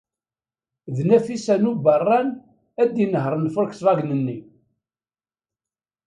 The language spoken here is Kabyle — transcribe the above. D Nafisa n Ubeṛṛan ad inehṛen Volkswagen-nni.